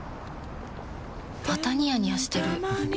またニヤニヤしてるふふ。